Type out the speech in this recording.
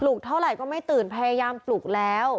เท่าไหร่ก็ไม่ตื่นพยายามปลูกแล้ว